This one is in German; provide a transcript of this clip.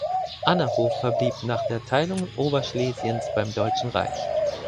Annahof verblieb nach der Teilung Oberschlesiens beim Deutschen Reich.